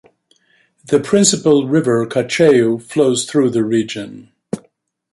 The principal river, Cacheu, flows through the region.